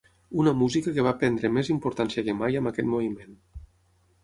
Una música que va prendre més importància que mai amb aquest moviment.